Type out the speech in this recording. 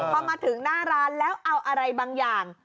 พอมาถึงหน้าร้านแล้วเอาอะไรบางอย่าง